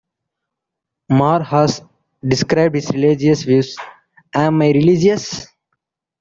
Marr has described his religious views: Am I religious?